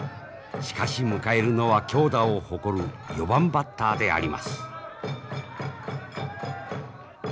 しかし迎えるのは強打を誇る４番バッターであります。